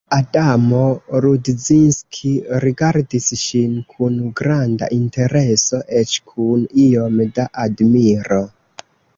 Adamo Rudzinski rigardis ŝin kun granda intereso, eĉ kun iom da admiro.